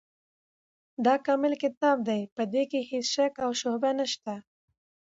دا کامل کتاب دی، په دي کي هيڅ شک او شبهه نشته